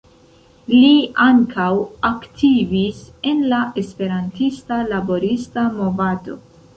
Li ankaŭ aktivis en la esperantista laborista movado.